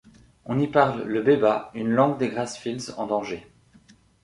On y parle le beba, une langue des Grassfields en danger.